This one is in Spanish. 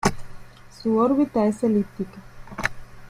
Su órbita es elíptica.